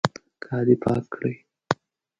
کالي پاک کړئ